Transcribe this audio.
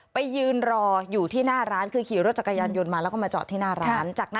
ไปยืนรออยู่ที่หน้าร้านคือขี่รถจักรยานยนต์มาแล้วก็มาจอดที่หน้าร้าน